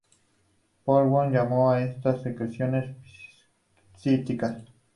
Pavlov llamó a estas secreciones psíquicas.